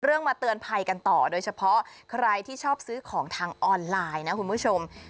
มาเตือนภัยกันต่อโดยเฉพาะใครที่ชอบซื้อของทางออนไลน์นะคุณผู้ชม